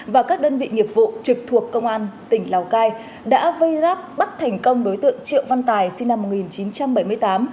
và các đơn vị nghiệp vụ trực thuộc công an tỉnh lào cai đã vây ráp bắt thành công đối tượng triệu văn tài sinh năm một nghìn chín trăm bảy mươi tám